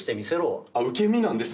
受け身なんですね。